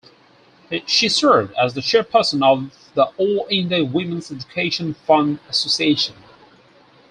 She served as the Chairperson of the All India Women's Education Fund Association.